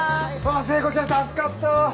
聖子ちゃん助かったわ！